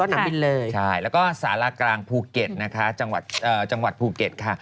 สนามบินเลยใช่แล้วก็สารากลางภูเก็ตนะคะจังหวัดภูเก็ตค่ะ